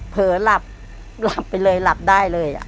เผลอหลับหลับไปเลยหลับได้เลย